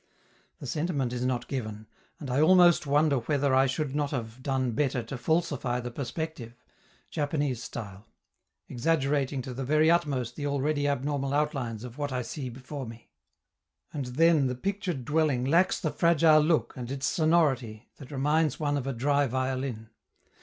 The sentiment is not given, and I almost wonder whether I should not have done better to falsify the perspective Japanese style exaggerating to the very utmost the already abnormal outlines of what I see before me. And then the pictured dwelling lacks the fragile look and its sonority, that reminds one of a dry violin.